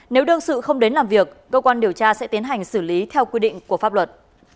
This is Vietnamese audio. nếu đương sự không đến làm việc cơ quan điều tra sẽ tiến hành xử lý theo quy định của pháp luật